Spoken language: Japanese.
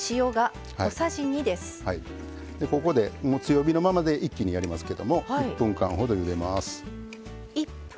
ここでもう強火のままで一気にやりますけども１分間ほどゆでます。